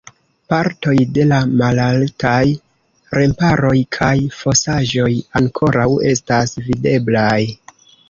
Partoj de la malaltaj remparoj kaj fosaĵoj ankoraŭ estas videblaj.